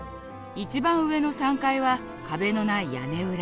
一番上の３階は壁のない屋根裏。